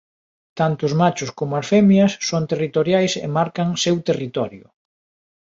Tanto os machos como as femias son territoriais e marcan seu territorio.